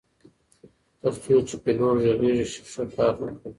تر څو چې پیلوټ غږیږي شیشه کار نه کوي.